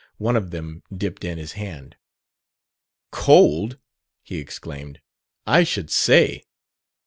One of them dipped in his hand. "Cold?" he exclaimed; "I should say!"